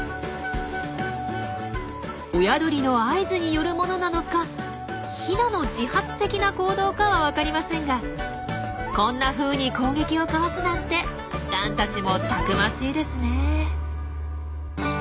親鳥の合図によるものなのかヒナの自発的な行動かは分かりませんがこんなふうに攻撃をかわすなんてガンたちもたくましいですねえ。